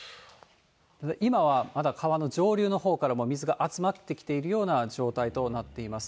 今はまだ川の上流のほうからも水が集まってきているような状態となっています。